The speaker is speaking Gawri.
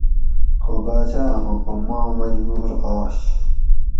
خو باچاۤں حکم ما مجبور آش